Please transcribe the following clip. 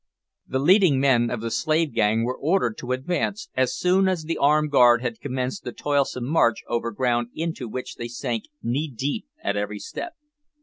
The leading men of the slave gang were ordered to advance, as soon as the armed guard had commenced the toilsome march over ground into which they sank knee deep at every step.